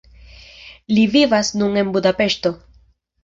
Li vivas nun en Budapeŝto.